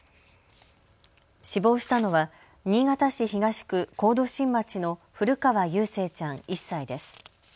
死亡したのは新潟市東区河渡新町の古川ゆう誠ちゃん１歳です。